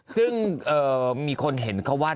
ซึ่งมีคนเห็นเขาว่า